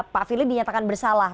pak firly dinyatakan bersalah